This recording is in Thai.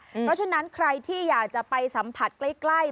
เพราะฉะนั้นใครที่อยากจะไปสัมผัสใกล้